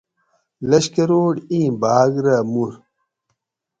لشکروٹ ای بھاۤگ رہ مور